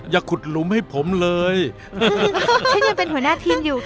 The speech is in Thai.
อย่าขุดหลุมให้ผมเลยฉันยังเป็นหัวหน้าทีมอยู่